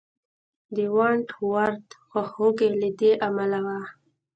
د ونټ ورت خواخوږي له دې امله وه.